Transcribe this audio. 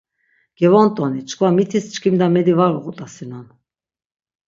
Gevont̆oni, çkva mitis çkimda medi var uğut̆asinon.